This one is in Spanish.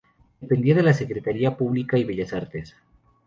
Dependía de la Secretaría de Instrucción Pública y Bellas Artes.